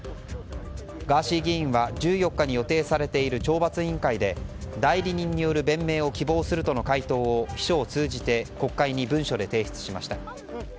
ガーシー議員は１４日に予定されている懲罰委員会で代理人による弁明を希望するとの回答を秘書を通じて国会に文書で提出しました。